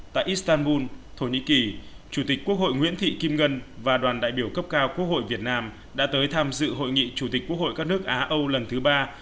tại istanbul thổ nhĩ kỳ chủ tịch quốc hội nguyễn thị kim ngân và đoàn đại biểu cấp cao quốc hội việt nam đã tới tham dự hội nghị chủ tịch quốc hội các nước á âu lần thứ ba